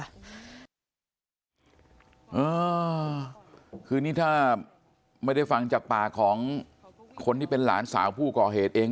อ่าคือนี่ถ้าไม่ได้ฟังจากปากของคนที่เป็นหลานสาวผู้ก่อเหตุเอง